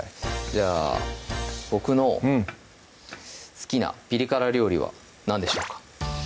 じゃあ僕の好きなピリ辛料理は何でしょうか？